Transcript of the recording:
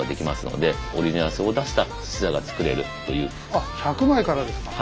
あっ１００枚からですか。